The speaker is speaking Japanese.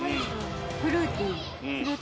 フルーティー。